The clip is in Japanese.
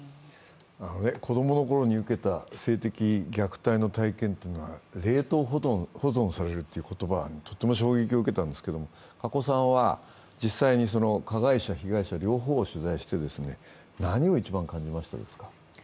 子供のころに受けた性的虐待の体験というのは冷凍保存されるという言葉はとても衝撃を受けたんですが、加古さんは実際に加害者、被害者両方を取材して、何を一番感じましたか。